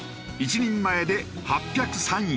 １人前で８０３円。